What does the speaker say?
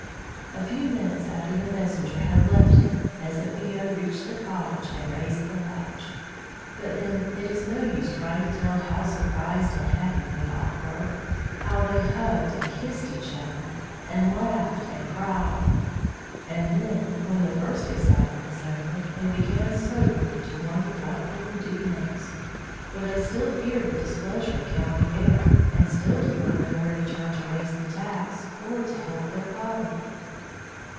A few minutes after the messenger had left him, peasant Viaud reached the cottage and raised the latch, but then it is no use trying to tell how surprised and happy they all were! how they hugged and kissed each other, and laughed and cried! And then, when the first excitement was over, they began soberly to wonder what they would do next; for they still feared the displeasure of Count Pierre, and still did not know where to turn to raise the tax, or to help their poverty.